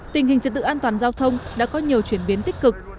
tình hình trật tự an toàn giao thông đã có nhiều chuyển biến tích cực